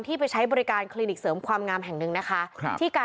ที่ไปใช้บริการครีนิคเสริมความงามแห่งหนึ่งนะคะ